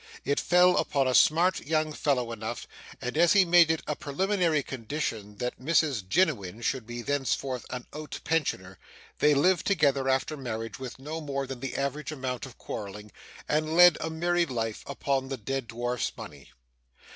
It fell upon a smart young fellow enough; and as he made it a preliminary condition that Mrs Jiniwin should be thenceforth an out pensioner, they lived together after marriage with no more than the average amount of quarrelling, and led a merry life upon the dead dwarf's money.